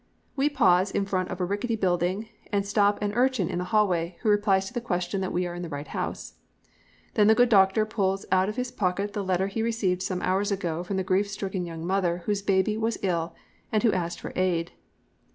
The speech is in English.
We pause in front of a rickety building and stop an urchin in the hallway, who replies to the question that we are in the right house. Then the good Doctor pulls out of his pocket the letter he received some hours ago from the grief stricken young mother whose baby was ill and who asked for aid.